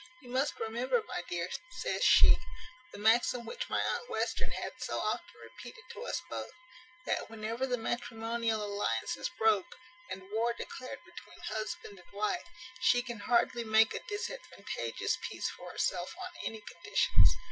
"You must remember, my dear," says she, "the maxim which my aunt Western hath so often repeated to us both; That whenever the matrimonial alliance is broke, and war declared between husband and wife, she can hardly make a disadvantageous peace for herself on any conditions.